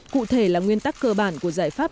cụ thể là nguyên tắc cơ bản của giải pháp